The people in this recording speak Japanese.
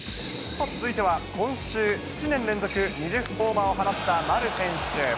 さあ、続いては今週、７年連続２０ホーマーを放った丸選手。